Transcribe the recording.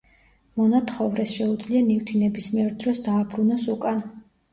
მონათხოვრეს შეუძლია ნივთი ნებისმიერ დროს დააბრუნოს უკან.